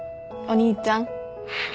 お兄ちゃん。